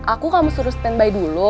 aku kamu suruh stand by dulu